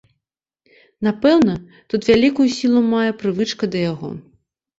Напэўна, тут вялікую сілу мае прывычка да яго.